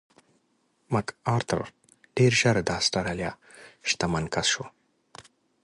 مک ارتر ډېر ژر د اسټرالیا شتمن کس شو.